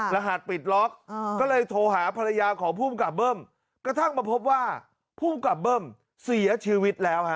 รหัสปิดล็อกก็เลยโทรหาภรรยาของภูมิกับเบิ้มกระทั่งมาพบว่าภูมิกับเบิ้มเสียชีวิตแล้วฮะ